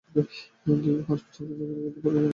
দীর্ঘ পাঁচ বছর আন্তর্জাতিক ক্রিকেটে পদচারণা করেন তিনি।